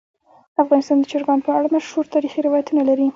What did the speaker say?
افغانستان د چرګان په اړه مشهور تاریخی روایتونه لري.